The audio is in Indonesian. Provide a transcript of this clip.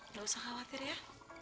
tidak usah khawatir ya